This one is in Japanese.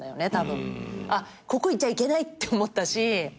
あっここいちゃいけないって思ったし。